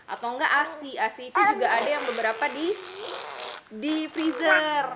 atau gak asih asih itu juga ada yang beberapa di freezer